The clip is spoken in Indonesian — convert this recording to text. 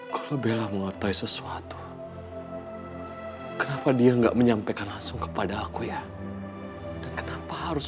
kalau bella muatan sesuatu kenapa dia enggak menyampaikan langsung kepada aku ya dan kenapa harus